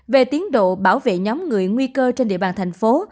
về tiến độ bảo vệ nhóm người nguy cơ trên địa bàn thành phố